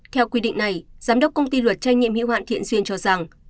theo quy định này giám đốc công ty luật trách nhiệm hiệu hoạn thiện duyên cho rằng